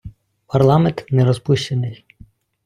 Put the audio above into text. Парламент не розпущений.